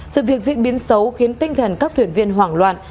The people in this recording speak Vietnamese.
sự việc diễn biến xấu khiến tinh thần các thuyền viên hoảng loạn